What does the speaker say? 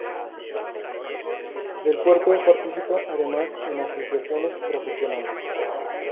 Del Puerto participa además en asociaciones profesionales.